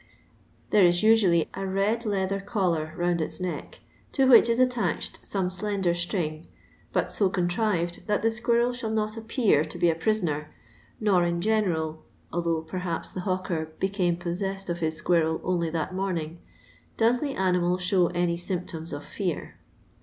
There is usually a red leather collar round its neck, to which it attached tome slender string, but so contrived that the squirrel shall not appear to be a prisoner, nor in general — although perhi^t the hawker became possessed of his squirrel only that morning — does the animal thow any tymptomt of fear.